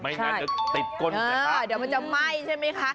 ไม่งั้นเนอะติดก้นเออเดี๋ยวมันจะไหม้ใช่ไหมคะ